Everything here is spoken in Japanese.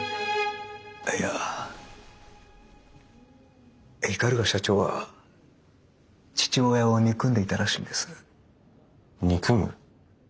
いや鵤社長は父親を憎んでいたらしいんです。憎む？